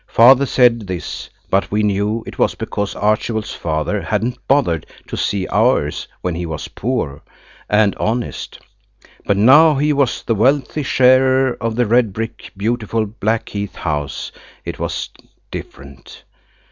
Father said this, but we knew it was because Archibald's father hadn't bothered to see ours when he was poor and honest, but now he was the wealthy sharer of the red brick, beautiful Blackheath house it was different.